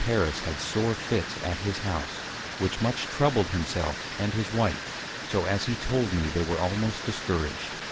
Paris_ had sore Fits at his House, which much troubled himself, and his Wife, so as he told me they were almost discouraged.